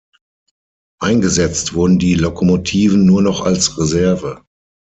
Eingesetzt wurden die Lokomotiven nur noch als Reserve.